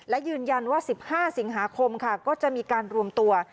และยืนยันว่า๑๕สิงหาคมค่ะก็จะมีการรวมตัว